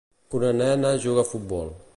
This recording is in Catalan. Una nena juga a futbol.